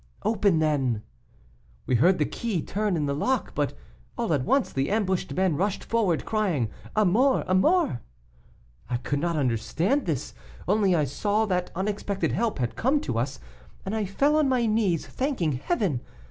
'Open, then.' We heard the key turn in the lock but all at once the ambushed men rushed forward, crying, 'a mort! a mort!' I could not understand this, only I saw that unexpected help had come to us, and I fell on my knees, thanking Heaven.